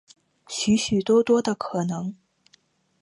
许许多多的可能性